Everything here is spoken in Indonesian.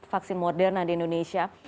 vaksin moderna di indonesia